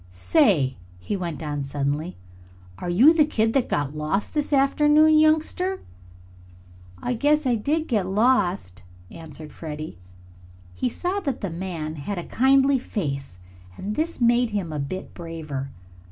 "Say!" he went on suddenly. "Are you the kid that got lost this afternoon, youngster?" "I guess I did get lost," answered Freddie. He saw that the man had a kindly face and this made him a bit braver.